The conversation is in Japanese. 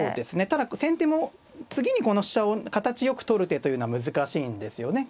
ただ先手も次にこの飛車を形よく取る手というのは難しいんですよね。